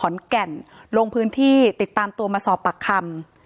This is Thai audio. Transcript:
แก่นลงพื้นที่ติดตามตัวมาสอบปากคำ